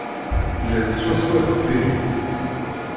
Llan swaswa deffir-i.